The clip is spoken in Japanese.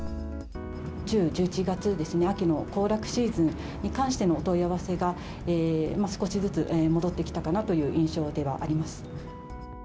１０、１１月ですね、秋の行楽シーズンに関してのお問い合わせが少しずつ戻ってきたかなという印象ではあります。